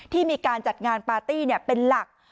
ที่มีการจัดงานปาร์ตี้เป็นหลัก